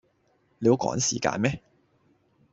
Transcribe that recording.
你好趕時間咩